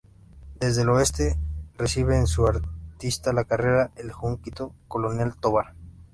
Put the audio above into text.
Desde el oeste recibe en su arista la carretera El Junquito-Colonia Tovar.